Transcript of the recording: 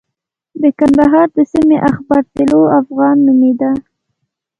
د کندهار د سیمې اخبار طلوع افغان نومېده.